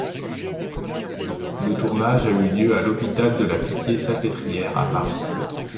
Le tournage a eu lieu à l'Hôpital de la Pitié-Salpêtrière à Paris.